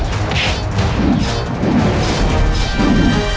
aku harus melakukannya gusti